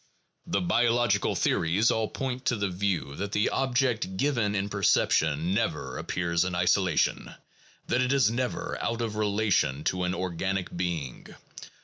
The biological theories all point to the view that the object given in perception never appears in isolation, that it is never out of relation to an organic being.